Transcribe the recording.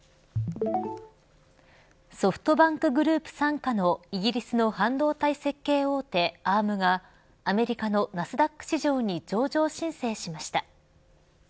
ソフトバンクグループ傘下のイギリスの半導体設計大手アームがアメリカのナスダック市場に上場申請しました。